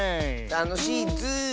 たのしいッズー。